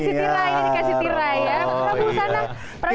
ini dikasih tirai ini dikasih tirai ya